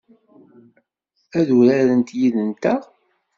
Ad urarent yid-nteɣ?